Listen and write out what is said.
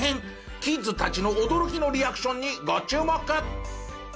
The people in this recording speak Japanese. キッズたちの驚きのリアクションにご注目！